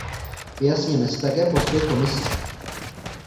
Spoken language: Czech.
Vyjasněme si také postoj Komise.